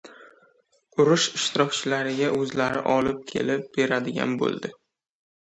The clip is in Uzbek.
Urush ishtirokchilariga o‘zlari olib kelib beradigan bo‘ldi.